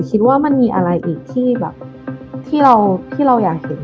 คิดว่ามันมีอะไรอีกที่แบบที่เราอยากเห็น